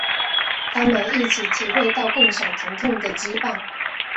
他们一起体会到共享疼痛的羁绊。